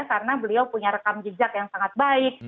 karena beliau punya rekam jejak yang sangat baik